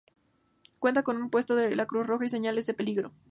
Cuenta con un puesto de la Cruz Roja y señales de peligro.